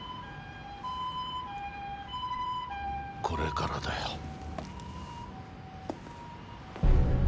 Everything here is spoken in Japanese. これからだよ。